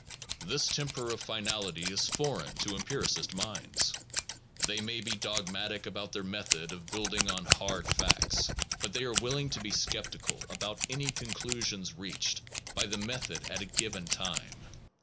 This temper of finality is foreign to empiricist minds. They may be dogmatic about their method of building on hard facts/ but they are willing to be sceptical about any conclusions reached by the method at a given time.